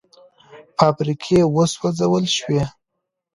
فابریکې وسوځول شوې.